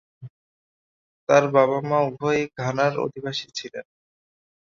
তার বাবা মা উভয়েই ঘানার অধিবাসী ছিলেন।